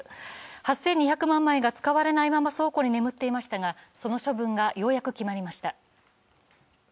８２００万枚が使われないまま倉庫に眠っていましたがその処分がようやく決まりました。